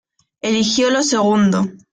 Eligió lo segundo.